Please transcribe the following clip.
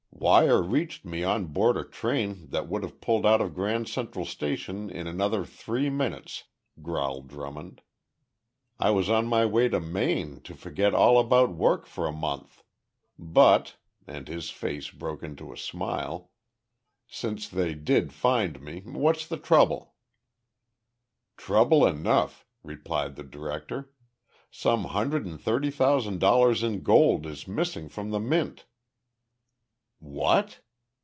"Wire reached me on board a train that would have pulled out of Grand Central Station in another three minutes," growled Drummond. "I was on my way to Maine to forget all about work for a month. But," and his face broke into a smile, "since they did find me, what's the trouble?" "Trouble enough," replied the director. "Some hundred and thirty thousand dollars in gold is missing from the Mint!" "What!"